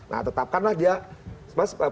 nah tetapkanlah dia